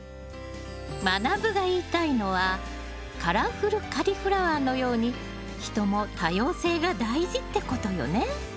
まなぶが言いたいのはカラフル・カリフラワーのように人も多様性が大事ってことよね。